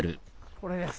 これです。